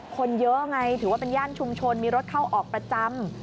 คนเยอะไงถือว่าเป็นย่านชุมชนมีรถเข้าออกประจำ